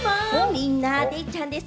みんなデイちゃんでぃす！